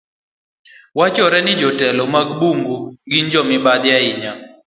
Wachore ni jotelo mag bungu gin jo mibadhi ahinya.